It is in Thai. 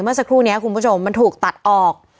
เมื่อสักครู่นี้คุณผู้ชมมันถูกตัดออก